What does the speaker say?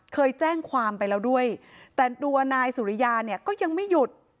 เคยแจ้งความไปแล้วด้วยแต่ตัวนายสุริยาเนี่ยก็ยังไม่หยุด